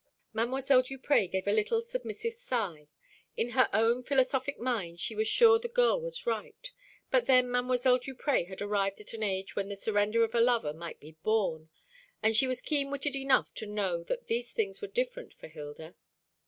Mdlle. Duprez gave a little submissive sigh. In her own philosophic mind she was sure the girl was right; but then Mdlle. Duprez had arrived at an age when the surrender of a lover may be borne; and she was keen witted enough to know that these things were different for Hilda.